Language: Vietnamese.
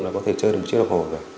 là có thể chơi được một chiếc lọc hồ rồi